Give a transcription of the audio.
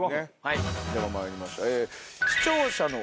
ではまいりましょう。